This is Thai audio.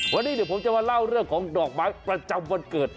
วันนี้เดี๋ยวผมจะมาเล่าเรื่องของดอกไม้ประจำวันเกิด